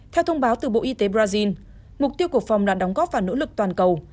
theo thông báo từ bộ y tế brazil mục tiêu của phòng là đóng góp và nỗ lực toàn cầu